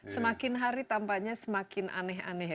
semakin hari tampaknya semakin aneh aneh